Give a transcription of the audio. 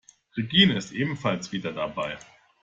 Regine ist ebenfalls wieder dabei.